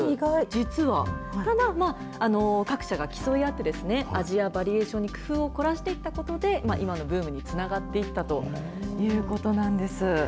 実は、各社が競い合って、味やバリエーションに工夫を凝らしてきたことで、今のブームにつながっていったということなんです。